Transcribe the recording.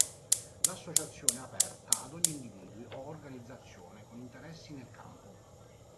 L'associazione è aperta ad ogni individuo o organizzazione con interessi nel campo.